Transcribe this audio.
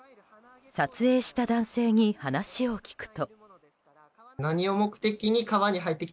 撮影した男性に話を聞くと。